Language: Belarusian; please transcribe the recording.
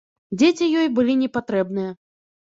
Дзеці ёй былі не патрэбныя.